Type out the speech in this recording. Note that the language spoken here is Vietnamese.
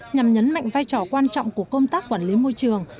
nhằm nhấn mạnh vai trò quan trọng của công tác quản lý môi trường